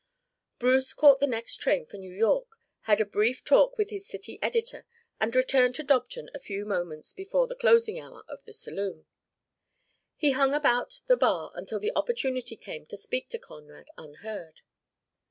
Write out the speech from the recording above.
Bruce caught the next train for New York, had a brief talk with his city editor, and returned to Dobton a few moments before the closing hour of the saloon. He hung about the bar until the opportunity came to speak to Conrad unheard.